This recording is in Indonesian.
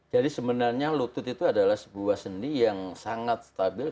jadi sebenarnya lutut itu adalah sebuah sendi yang sangat stabil